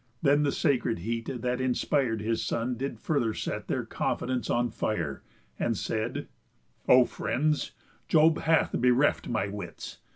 Then the sacred heat That spirited his son did further set Their confidence on fire, and said: "O friends, Jove hath bereft my wits.